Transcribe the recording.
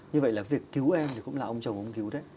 như vậy là việc cứu em thì cũng là ông chồng ông cứu đấy